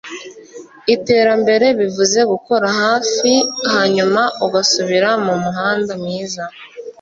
iterambere bivuze gukora hafi-hanyuma ugasubira mumuhanda mwiza